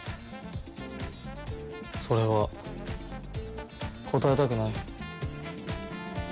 それは答えたくない。